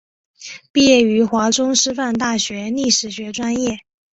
毕业于华中师范大学历史学专业。